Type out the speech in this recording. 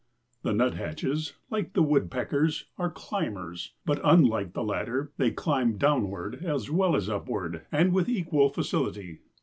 The nuthatches, like the woodpeckers, are climbers, but unlike the latter they climb downward as well as upward and with equal facility.